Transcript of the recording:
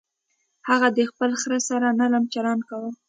هغه د خپل خر سره نرم چلند کاوه.